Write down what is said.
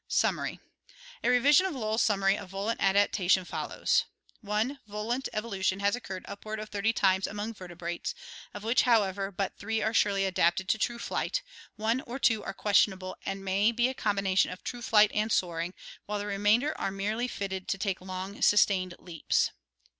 Summary A revision of Lull's summary of volant adaptation follows: 1. Volant evolution has occurred upward of thirty times among vertebrates, of which, however, but three are surely adapted to true flight, one or two are questionable and may be a combination of true flight and soaring, while the remainder are merely fitted to take long, sustained leaps.